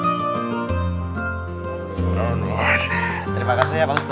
terima kasih ya pak ustadz